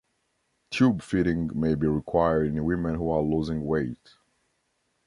Tube feeding may be required in women who are losing weight.